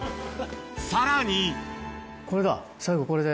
さらにこれだ最後これで。